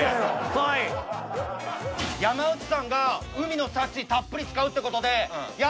山内さんが海の幸たっぷり使うって事でこいつ！